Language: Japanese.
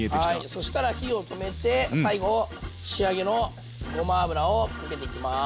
そしたら火を止めて最後仕上げのごま油をかけていきます。